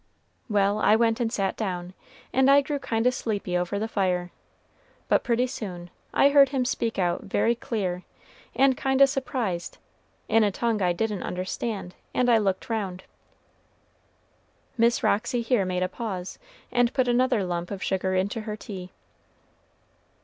Well, I went and sat down, and I grew kind o' sleepy over the fire; but pretty soon I heard him speak out very clear, and kind o' surprised, in a tongue I didn't understand, and I looked round." Miss Roxy here made a pause, and put another lump of sugar into her tea.